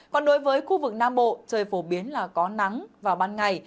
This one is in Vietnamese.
còn đối với khu vực nam bộ trời phổ biến là có nắng vào ban ngày